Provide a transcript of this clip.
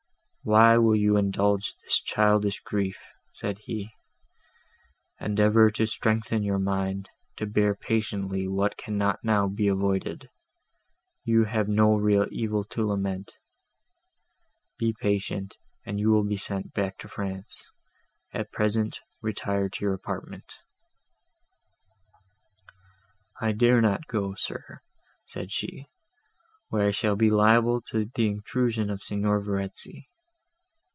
"Why will you indulge this childish grief?" said he. "Endeavour to strengthen your mind, to bear patiently what cannot now be avoided; you have no real evil to lament; be patient, and you will be sent back to France. At present retire to your apartment." "I dare not go, sir," said she, "where I shall be liable to the intrusion of Signor Verezzi."